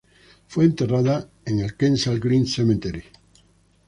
Fue enterrada en el Kensal Green Cemetery.